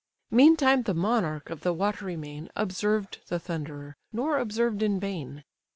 Meantime the monarch of the watery main Observed the Thunderer, nor observed in vain.